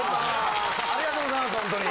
ありがとうございますほんとに。